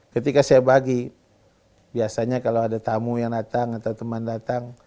ketika saya bagi biasanya kalau ada tamu yang datang atau teman datang